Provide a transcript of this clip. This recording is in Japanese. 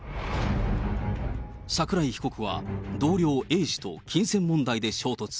桜井被告は同僚Ａ氏と金銭問題で衝突。